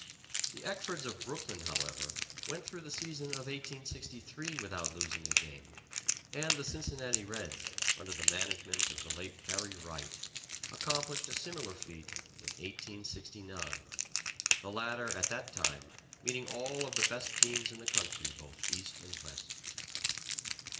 The Eckfords of Brooklyn, however, went through the season of 1863 without losing a game, and the Cincinnati Reds, under the management of the late Harry Wright, accomplished a similar feat in 1869, the latter at the time meeting all of the best teams in the country, both East and West.